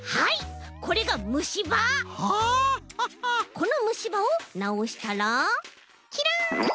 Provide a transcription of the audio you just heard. このむしばをなおしたらキラン！